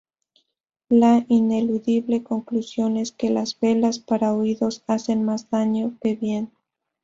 La ineludible conclusión es que las velas para oídos hacen más daño que bien.